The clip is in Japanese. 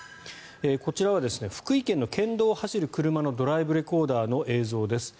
こちらは福井県の県道を走る車のドライブレコーダーの映像です。